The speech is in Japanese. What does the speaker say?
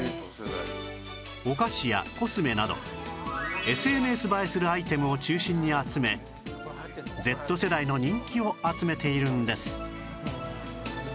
お菓子やコスメなど ＳＮＳ 映えするアイテムを中心に集め Ｚ 世代の人気を集めているんです